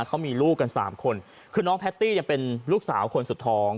เขามีลูกกันสามคนคือน้องแพตตี้ยังเป็นลูกสาวคนสุดท้อง